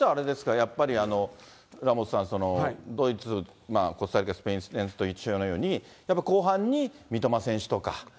やっぱりラモスさん、ドイツ、コスタリカ、スペイン戦と一緒のように、後半に三笘選手とか。